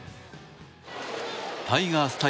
タイガース対